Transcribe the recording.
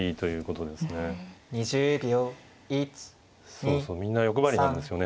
そうそうみんな欲張りなんですよね。